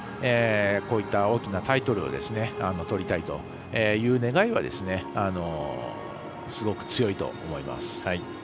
こういった大きなタイトルをとりたいという願いはすごく強いと思います。